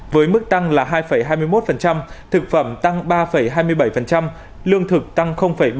với mức tăng là hai hai mươi một thực phẩm tăng ba hai mươi bảy lương thực tăng bảy